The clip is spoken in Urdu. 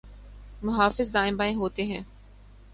محافظ دائیں بائیں ہوتے ہیں۔